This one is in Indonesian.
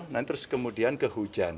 nah terus kemudian ke hujan